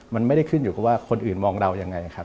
มันไม่ได้ขึ้นอยู่กับว่าคนอื่นมองเรายังไงครับ